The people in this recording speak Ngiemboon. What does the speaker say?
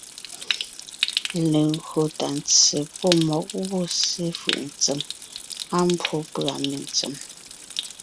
Legÿo tà ntse pɔ́ mmɔ̌g gwɔ̂ ssé fʉ̀’ ntsém, á mbwó pʉ̀a mentsém,